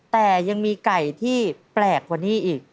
แต่ยังมีไก่ที่แปลกกว่านี้อีก